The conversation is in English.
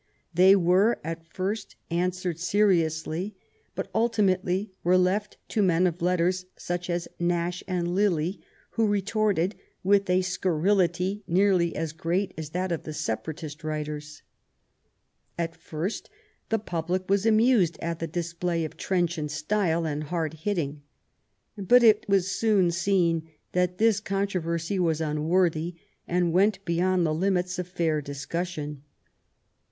They were at first answered seriously, but ultimately were left to men of letters such as Nash and Lilly, who retorted with a scurrility nearly as great as that of the Separatist writers. At first the public was amused at the display of trenchant style and hard hitting. But it was soon seen that this controversy was unworthy, and went beyond the limits of fair discussion.